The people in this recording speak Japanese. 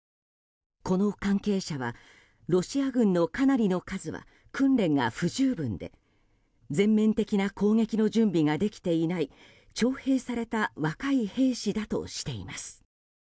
この関係者はロシア軍のかなりの数は訓練が不十分で全面的な攻撃の準備ができていない徴兵された若い兵士だとしています。